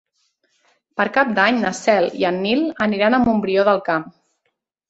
Per Cap d'Any na Cel i en Nil aniran a Montbrió del Camp.